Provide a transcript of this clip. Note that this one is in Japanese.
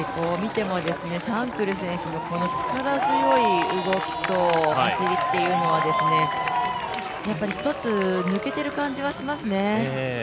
シャンクル選手の力強い動きと走りというのは、やはり一つ抜けている感じはしますね。